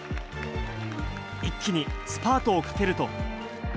一気にスパートをかけると。